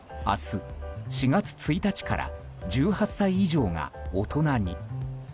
明日、４月１日から１８歳以上が大人に。